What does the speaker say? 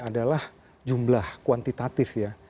adalah jumlah kuantitatif ya